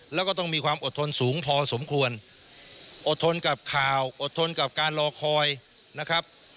แล้วก็ต้องมีความอดทนสูงพอสมควรอดทนกับข่าวอดทนกับการรอคอยนะครับ